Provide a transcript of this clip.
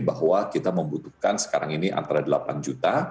bahwa kita membutuhkan sekarang ini antara delapan juta